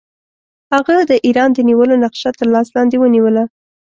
هغه د ایران د نیولو نقشه تر لاس لاندې ونیوله.